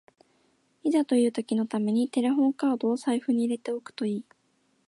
いざという時のためにテレホンカードを財布に入れておくといい